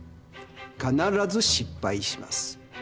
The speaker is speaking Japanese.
必ず失敗します。